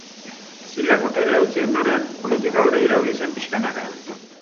Silak boterea utzi ondoren, politika hori irauli zen pixkanaka.